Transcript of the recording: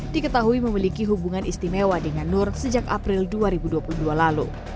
diketahui memiliki hubungan istimewa dengan nur sejak april dua ribu dua puluh dua lalu